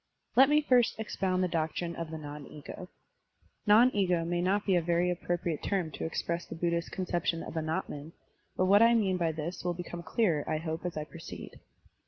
Let me first expotmd the doctrine of the non ego. Non ego may not be a very appro priate term to express the Buddhist conception of Anatman, but what I mean by this will become clearer, I hope, as I proceed.